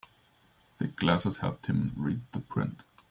Thick glasses helped him read the print.